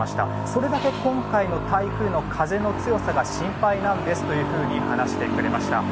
それだけ今回の台風の風の強さが心配なんですと話してくれました。